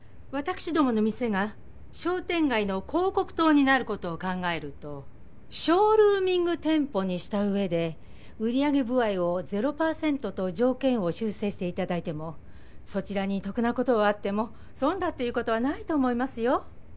私どもの店が商店街の広告塔になることを考えるとショールーミング店舗にした上で売上歩合を０％と条件を修正していただいてもそちらに得なことはあっても損だっていうことはないと思いますよ。